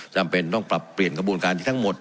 จำเป็นต้องปรับเปลี่ยนกระบวนการที่ทั้งหมด